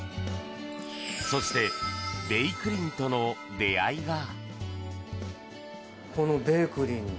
そして「べいくりん」との出会いが。